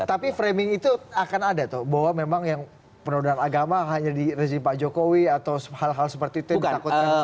tapi framing itu akan ada tuh bahwa memang yang penodaan agama hanya di rezim pak jokowi atau hal hal seperti itu yang ditakutkan